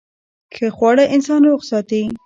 ښه خواړه انسان روغ ساتي.